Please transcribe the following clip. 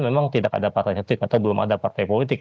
memang tidak ada partai etik atau belum ada partai politik